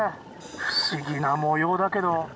不思議な模様だけど。